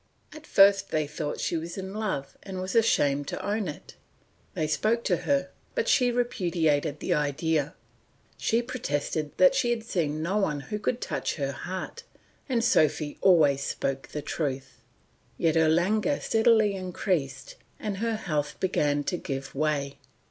At first they thought she was in love and was ashamed to own it; they spoke to her, but she repudiated the idea. She protested she had seen no one who could touch her heart, and Sophy always spoke the truth. Yet her languor steadily increased, and her health began to give way.